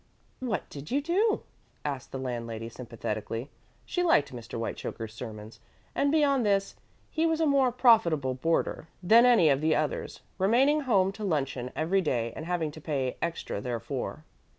"What did you do?" asked the landlady, sympathetically. She liked Mr. Whitechoker's sermons, and, beyond this, he was a more profitable boarder than any of the others, remaining home to luncheon every day and having to pay extra therefor.